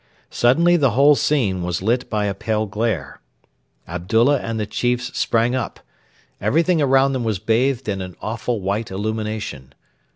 Suddenly the whole scene was lit by a pale glare. Abdullah and the chiefs sprang up. Everything around them was bathed in an awful white illumination.